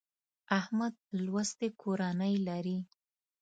احمد لوستې کورنۍ لري.